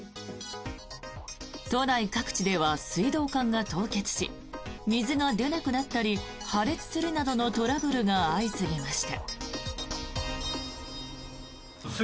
都内各地では水道管が凍結し水が出なくなったり破裂するなどのトラブルが相次ぎました。